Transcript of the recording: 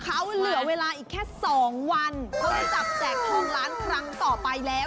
เขาเหลือเวลาอีกแค่สองวันเขาเลยจับแจกทองล้านครั้งต่อไปแล้ว